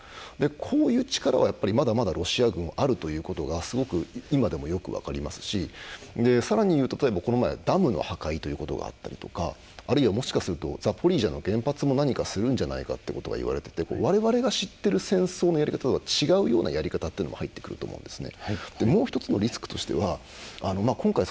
こういう力はまだまだロシア軍はあるということがすごく今でもよく分かりますしさらに言うと、この前ダムの破壊ということがあったりとかあるいは、もしかするとザポリージャの原発も何かするんじゃないかと言われていて我々が知っている戦争のやり方とは違うようなやり方も入ってくると思うんですね。